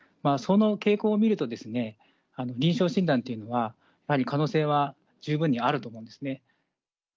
その傾向を見ると、臨床診断というのは、やはり可能性は十分にあると思うんですね。